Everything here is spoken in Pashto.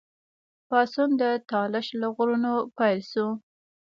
پاڅون د طالش له غرونو پیل شو.